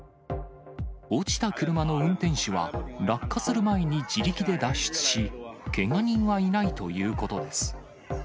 落ちた車の運転手は、落下する前に自力で脱出し、けが人はいないということです。